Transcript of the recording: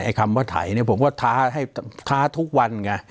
ไอคำว่าไถเนี่ยผมก็ท้าทุกวัน